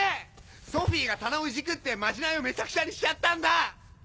ソフィーが棚をいじくってまじないをメチャクチャにしちゃったんだ‼